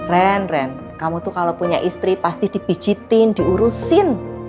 ren ren kamu tuh kalau punya istri pasti dibijitin diurusin